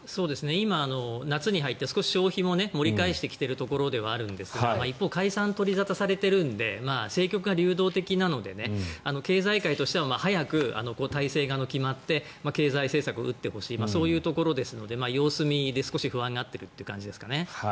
今、夏に入って少し消費も盛り返してきているところではあるんですが一方、解散が取り沙汰されているので政局が流動的なので経済界としては早く体制が決まって経済政策を打ってほしいそういうところですので様子見で少し不安になっているという感じですかね。